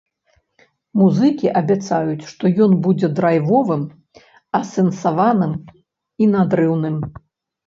Музыкі абяцаюць, што ён будзе драйвовым, асэнсаваным і надрыўным.